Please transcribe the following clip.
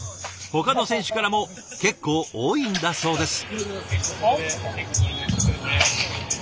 ほかの選手からも結構多いんだそうです。